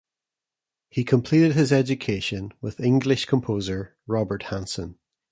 He completed his education with the English composer Robert Hanson.